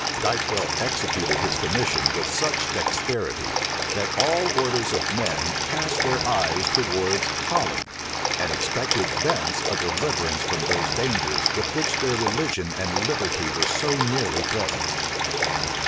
Dykvelt executed his commission with such dexterity, that all orders of men cast their eyes towards Holland, and expected thence a deliverance from those dangers with which their religion and liberty were so nearly threatened.